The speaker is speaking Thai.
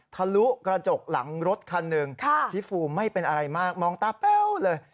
ทะลุกระจกหลังรถคันหนึ่งชิฟูไม่เป็นอะไรมากมองตาแป้วเลย